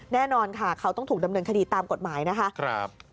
แน่นอนค่ะเขาต้องถูกดำเนินคดีตามกฎหมายนะคะ